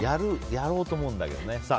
やろうと思うんだけどね。